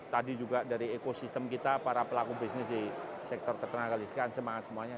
tadi juga dari ekosistem kita para pelaku bisnis di sektor ketenagalisan semangat semuanya